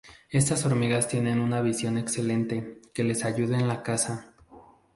Estas hormigas tienen una visión excelente, que les ayuda en la caza.